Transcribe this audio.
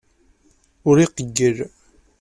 Ur iqeyyel.